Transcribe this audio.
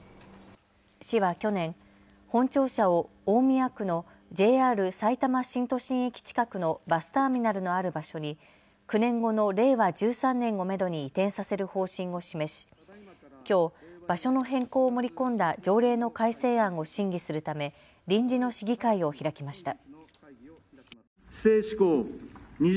市は去年、本庁舎を大宮区のＪＲさいたま新都心駅近くのバスターミナルのある場所に９年後の令和１３年をめどに移転させる方針を示しきょう、場所の変更を盛り込んだ条例の改正案を審議するため臨時の市議会を開きました。